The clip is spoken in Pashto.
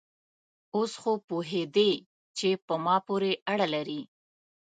اوس خو وپوهېدې چې په ما پورې اړه لري؟